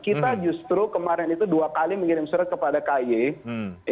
kita justru kemarin itu dua kali mengirim surat kepada kay